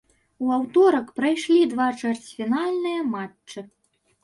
У аўторак прайшлі два чвэрцьфінальныя матчы.